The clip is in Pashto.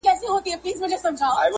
چي دا ډول مرکه په وطن کي نسته